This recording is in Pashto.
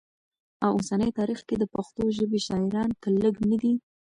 او اوسني تاریخ کي د پښتو ژبې شاعران که لږ نه دي